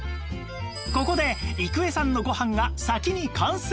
ここで郁恵さんのご飯が先に完成